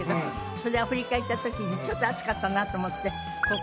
それでアフリカ行った時にちょっと暑かったなと思って。